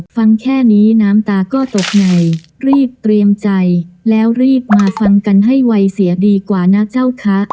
ฟังแค่นี้น้ำตาก็ตกในรีบเตรียมใจแล้วรีบมาฟังกันให้ไวเสียดีกว่านะเจ้าคะ